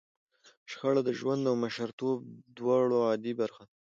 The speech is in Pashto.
شخړه د ژوند او مشرتوب دواړو عادي برخه ده.